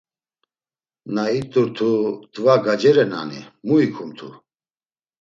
Na it̆urtu t̆ǩva gacerenani? Mu ikumtu?